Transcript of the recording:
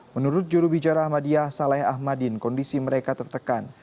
menurut jurubicara ahmadiyah saleh ahmadin kondisi mereka tertekan